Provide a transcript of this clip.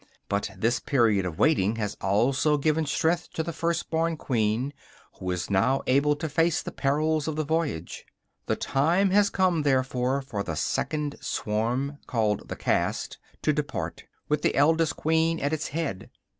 But this period of waiting has also given strength to the first born queen, who is now able to face the perils of the voyage. The time has come, therefore, for the second swarm, called the "cast," to depart, with the eldest queen at its head.